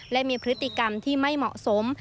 และมีพฤติกรรมที่ไม่เหมาะสม